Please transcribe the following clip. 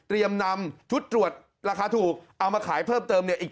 นำชุดตรวจราคาถูกเอามาขายเพิ่มเติมเนี่ยอีก